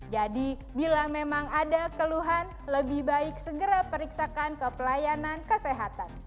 jadi bila memang ada keluhan lebih baik segera periksakan ke pelayanan kesehatan